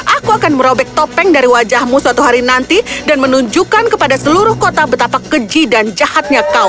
aku akan merobek topeng dari wajahmu suatu hari nanti dan menunjukkan kepada seluruh kota betapa keji dan jahatnya kau